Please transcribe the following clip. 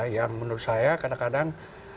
yang menurut saya kadang kadang